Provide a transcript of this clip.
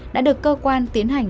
đã được cơ quan tiến hành